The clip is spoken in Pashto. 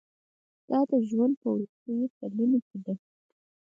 دا د ژوند په وروستیو کلونو کې ده.